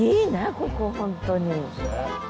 ここ本当に。